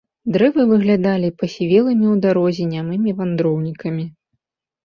Дрэвы выглядалі пасівелымі ў дарозе нямымі вандроўнікамі.